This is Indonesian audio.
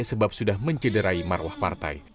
sebab sudah mencederai marwah partai